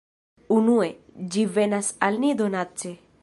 Unue, ĝi venas al ni donace.